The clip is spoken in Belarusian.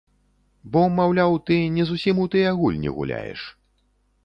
Бо, маўляў, ты не зусім у тыя гульні гуляеш.